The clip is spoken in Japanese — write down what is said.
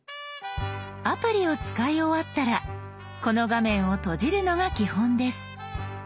アプリを使い終わったらこの画面を閉じるのが基本です。